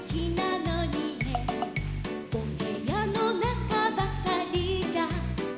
「おへやのなかばかりじゃ」